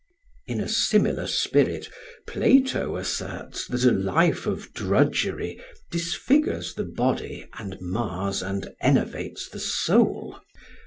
] In a similar spirit Plato asserts that a life of drudgery disfigures the body and mars and enervates the soul; [Footnote: Plato, Rep. 495.